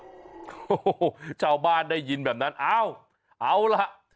โอ้โหชาวบ้านได้ยินแบบนั้นอ้าวเอาล่ะ